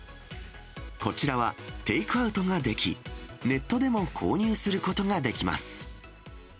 こちらはテイクアウトができ、ネットでも購入することができます。